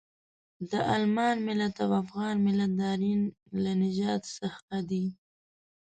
د المان ملت او افغان ملت د ارین له نژاده څخه دي.